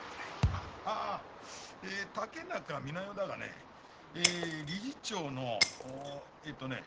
ああ竹中美奈代だがね理事長のえーとね。